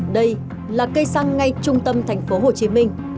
đây là cây xăng ngay trung tâm thành phố hồ chí minh